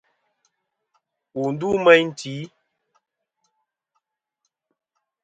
Wù ndu meyn tì.